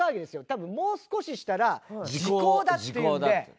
多分もう少ししたら時効だっていうんで。